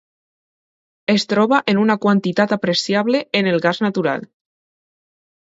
Es troba en una quantitat apreciable en el gas natural.